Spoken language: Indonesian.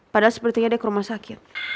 padahal sepertinya dia ke rumah sakit